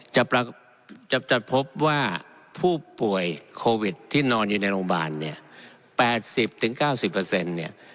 จะจะจะพบว่าผู้ป่วยโควิดที่นอนอยู่ในโรงพยาบาลเนี้ยแปดสิบถึงเก้าสิบเปอร์เซ็นต์เนี้ย